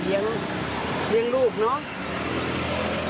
เลี้ยงลูกเนาะ